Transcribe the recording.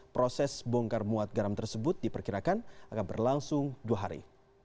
proses bongkar muat garam tersebut diperkirakan akan berlangsung dua hari